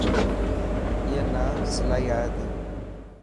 اي نا سلائي آئي تي.